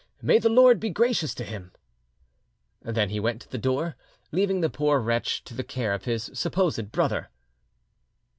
May the Lord be gracious to him!" Then he went to the door, leaving the poor wretch to the care of his supposed brother.